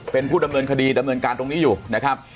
เป็นผู้ดำเนินคดีดำเนินการตรงนี้อยู่นะครับ